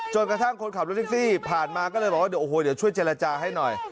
กระทั่งคนขับรถแท็กซี่ผ่านมาก็เลยบอกว่าเดี๋ยวโอ้โหเดี๋ยวช่วยเจรจาให้หน่อย